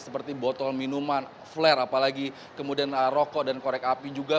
seperti botol minuman flare apalagi kemudian rokok dan korek api juga